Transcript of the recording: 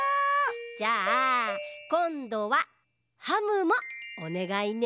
じゃあこんどはハムもおねがいね。